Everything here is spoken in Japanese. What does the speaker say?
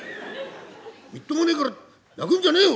みっともねえから泣くんじゃねえよ！